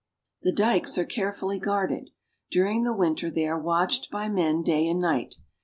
The dikes are carefully guarded. During the winter they are watched by men day and night.